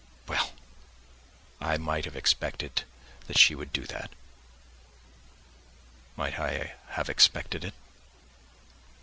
Well! I might have expected that she would do that. Might I have expected it?